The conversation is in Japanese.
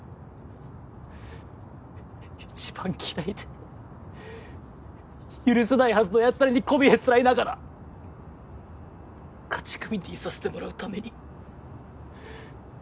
一番嫌いで許せないはずのやつらにこびへつらいながら勝ち組でいさせてもらうために。